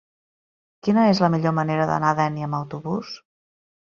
Quina és la millor manera d'anar a Dénia amb autobús?